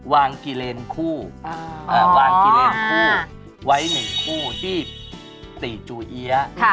วางกิเลนคู่วางกิเลนคู่ไว้หนึ่งคู่ที่ติจุเอี๊ยะ